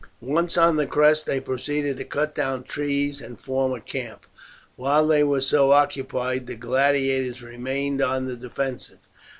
Once on the crest they proceeded to cut down trees and form a camp. While they were so occupied the gladiators remained on the defensive.